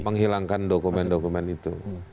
menghilangkan dokumen dokumen itu